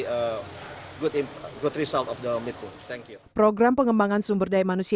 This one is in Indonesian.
program pengembangan sumber daya manusia ini sejalan dengan program pengembangan sumber daya manusia